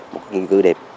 một cái nghiên cứu đẹp